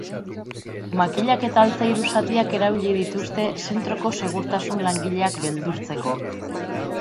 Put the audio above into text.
Makilak eta altzairu zatiak erabili dituzte zentroko segurtasun langileak beldurtzeko.